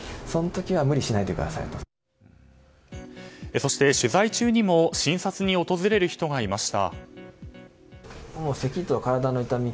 そして取材中にも診察に訪れる人がいました。